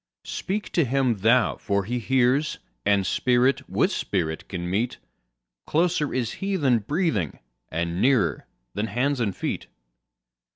Speak to Him thou for He hears, and Spirit with Spirit can meet—Closer is He than breathing, and nearer than hands and feet.